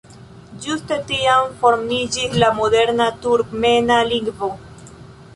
Ĝuste tiam formiĝis la moderna turkmena lingvo.